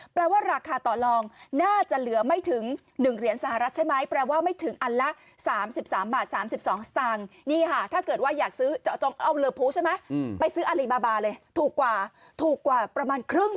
แปลว่าราคาต่อรองน่าจะเหลือไม่ถึง๑เหรียญสหรัฐใช่ไหม